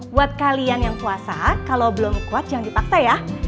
buat kalian yang puasa kalau belum kuat jangan dipaksa ya